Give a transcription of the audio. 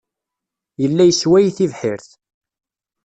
Yella yessway tibḥirt.